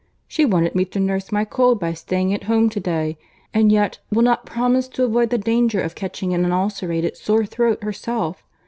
She wanted me to nurse my cold by staying at home to day, and yet will not promise to avoid the danger of catching an ulcerated sore throat herself.